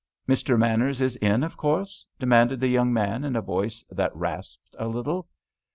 "Mr. Manners is in, of course?" demanded the young man in a voice that rasped a little.